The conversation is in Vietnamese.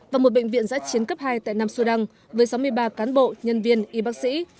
và một bệnh viện giã chiến cấp hai tại nam sudan với sáu mươi ba cán bộ nhân viên y bác sĩ